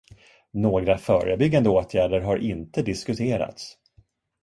Några förebyggande åtgärder har inte diskuterats.